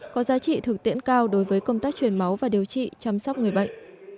có giá trị thực tiễn cao đối với công tác truyền máu và điều trị chăm sóc người bệnh